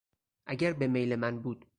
اگر به میل من بود